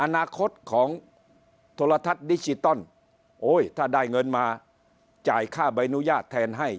อนาคตของโทรทัศน์ดิจิตอลโอ้ยถ้าได้เงินมาจ่ายค่าใบอนุญาตแทนให้